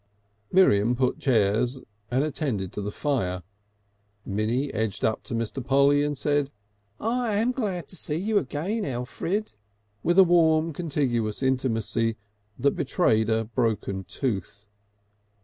Miriam put chairs and attended to the fire, Minnie edged up to Mr. Polly and said: "I am glad to see you again, Elfrid," with a warm contiguous intimacy that betrayed a broken tooth.